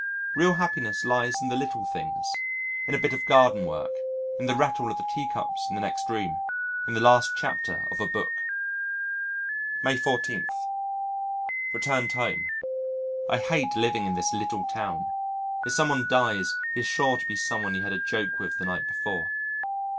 Real happiness lies in the little things, in a bit of garden work, in the rattle of the teacups in the next room, in the last chapter of a book. May 14. Returned home. I hate living in this little town. If some one dies, he is sure to be some one you had a joke with the night before.